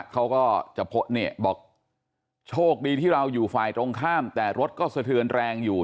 เขาก็จะบอกโชคดีที่เราอยู่ฝ่ายตรงข้ามแต่รถก็สะเทือนแรงอยู่